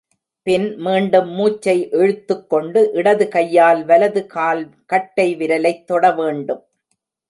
பின், மீண்டும் மூச்சை இழுத்துக் கொண்டு, இடது கையால் வலது கால் கட்டை விரலைத் தொடவேண்டும்.